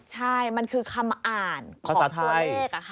ใช่มันคือคำอ่านของตัวเลข